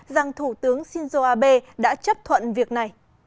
rằng thủ tướng shinzo abe đã chấp thuận việc này